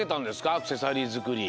アクセサリーづくり。